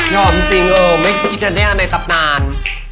ยอมจริงไม่คิดจะได้อันในตับนาน